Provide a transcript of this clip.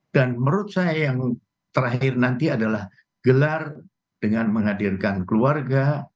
dan menurut saya yang terakhir nanti adalah gelar dengan menghadirkan keluarga